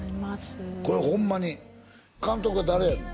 これホンマに監督は誰やの？